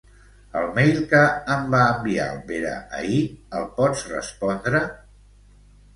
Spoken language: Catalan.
El mail que em va enviar el Pere ahir, el pots respondre?